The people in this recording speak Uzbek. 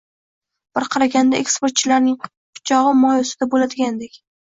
Bir qaraganda eksportchilarning «pichog‘i moy ustida» bo‘ladigandek